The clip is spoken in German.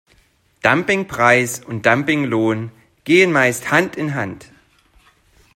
Dumpingpreis und Dumpinglohn gehen meist Hand in Hand.